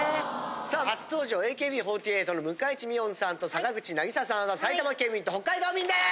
さあ初登場ＡＫＢ４８の向井地美音さんと坂口渚沙さんは埼玉県民と北海道民です！